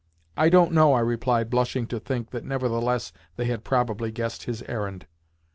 "I don't know," I replied, blushing to think that nevertheless they had probably guessed his errand.